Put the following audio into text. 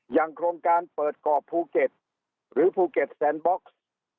โครงการเปิดก่อภูเก็ตหรือภูเก็ตแซนบ็อกซ์